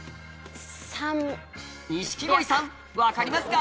錦鯉さん分かりますか？